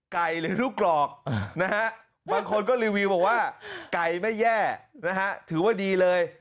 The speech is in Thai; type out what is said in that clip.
หรือลูกกรอกนะฮะบางคนก็รีวิวบอกว่าไก่ไม่แย่นะฮะถือว่าดีเลย